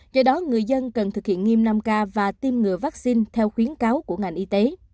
do đó người dân cần thực hiện nghiêm năm k và tiêm ngừa vaccine theo khuyến cáo của ngành y tế